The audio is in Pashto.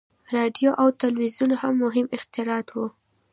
• راډیو او تلویزیون هم مهم اختراعات وو.